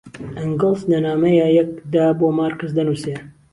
ئەنگەڵس لە نامەیەیەکدا بۆ مارکس دەنووسێ